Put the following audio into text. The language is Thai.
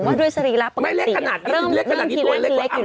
อัมปัชฌาภาเล็กขนาดนี้